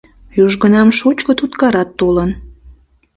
Южгунам шучко туткарат толын.